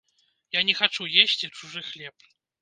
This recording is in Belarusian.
Я не хачу есці чужы хлеб.